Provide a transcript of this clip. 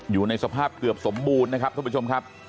อยู่ในสภาพเกือบสมบูรณ์นะครับท่านผู้ชมครับ